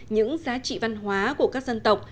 những giá trị văn hóa của các dân tộc